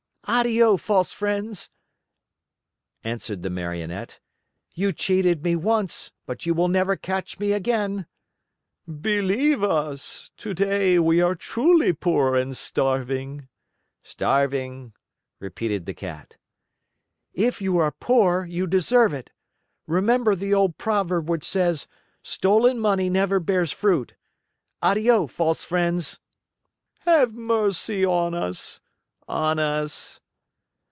"Addio, false friends!" answered the Marionette. "You cheated me once, but you will never catch me again." "Believe us! Today we are truly poor and starving." "Starving!" repeated the Cat. "If you are poor; you deserve it! Remember the old proverb which says: 'Stolen money never bears fruit.' Addio, false friends." "Have mercy on us!" "On us."